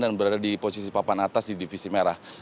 dan berada di posisi papan atas di divisi merah